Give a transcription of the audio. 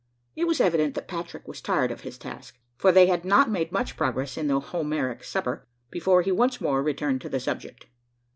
It was evident that Patrick was tired of his task: for they had not made much progress in their Homeric supper, before he once more returned to the subject.